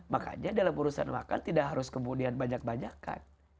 makanya dalam urusan makan tidak harus kemudian banyak banyakan